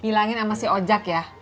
bilangin sama si ojak ya